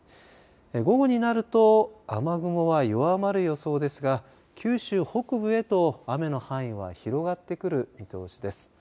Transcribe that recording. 午後になると雨雲は弱まる予想ですが九州北部へと雨の範囲は広がってくる見通しです。